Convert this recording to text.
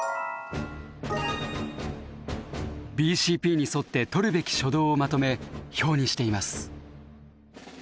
ＢＣＰに沿って取るべき初動をまとめ表にしています。